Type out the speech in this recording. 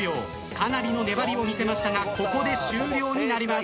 かなりの粘りを見せましたがここで終了になります。